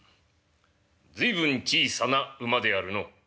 随分小さな馬であるの」。